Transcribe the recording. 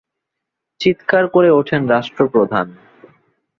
চিৎকার করে ওঠেন রাষ্ট্রপ্রধান।